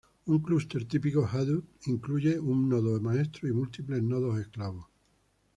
Un clúster típico Hadoop incluye un nodo maestro y múltiples nodos esclavo.